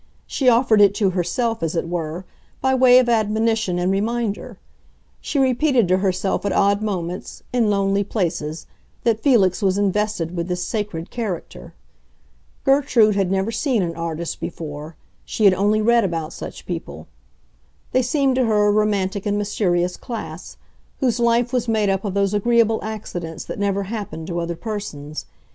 She offered it to herself, as it were, by way of admonition and reminder; she repeated to herself at odd moments, in lonely places, that Felix was invested with this sacred character. Gertrude had never seen an artist before; she had only read about such people. They seemed to her a romantic and mysterious class, whose life was made up of those agreeable accidents that never happened to other persons.